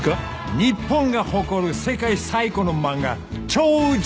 日本が誇る世界最古の漫画鳥獣戯画！